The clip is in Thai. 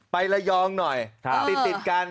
ไประยองหน่อยติดกัน